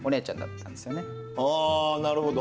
あなるほど。